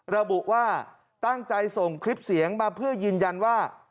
ระบุว่าตั้งใจส่งคลิปเสียงมาเพื่อยืนยันว่า